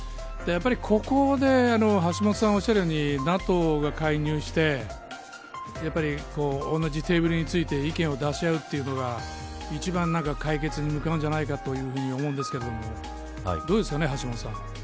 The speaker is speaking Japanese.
やっぱりここで橋下さんがおっしゃるようにＮＡＴＯが介入して同じテーブルについて意見を出し合うというのが一番解決に向かうんじゃないかというふうに思うんですけれどもどうですかね、橋下さん。